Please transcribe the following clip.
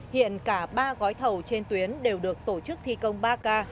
hiện cả ba gói thầu trên tuyến đều được tổ chức thi công ba k